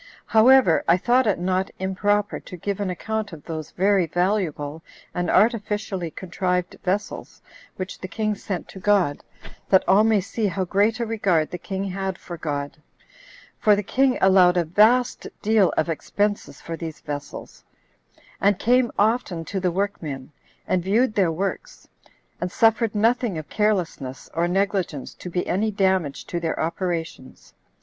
However, I thought it not improper to give an account of those very valuable and artificially contrived vessels which the king sent to God, that all may see how great a regard the king had for God; for the king allowed a vast deal of expenses for these vessels, and came often to the workmen, and viewed their works, and suffered nothing of carelessness or negligence to be any damage to their operations.